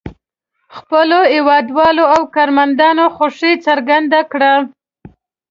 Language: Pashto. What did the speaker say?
خپلو هېوادوالو او کارمندانو خوښي څرګنده کړه.